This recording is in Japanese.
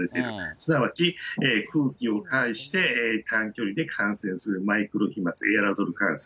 すなわち、空気を介して短距離で感染するマイクロ飛まつ、エアロゾル感染。